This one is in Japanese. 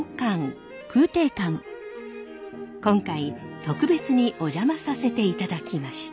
今回特別にお邪魔させていただきました。